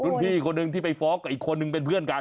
พี่คนหนึ่งที่ไปฟ้องกับอีกคนนึงเป็นเพื่อนกัน